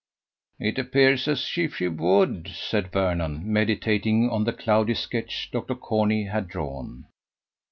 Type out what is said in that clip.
"It appears as if she would," said Vernon, meditating on the cloudy sketch Dr. Corney had drawn.